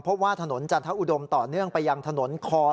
เพราะว่าถนนจันทอุดมต่อเนื่องไปยังถนนคอ